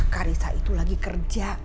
kak risa itu lagi kerja